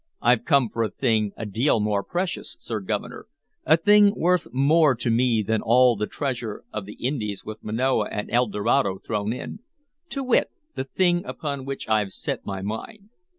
"I've come for a thing a deal more precious, Sir Governor, a thing worth more to me than all the treasure of the Indies with Manoa and El Dorado thrown in, to wit, the thing upon which I've set my mind.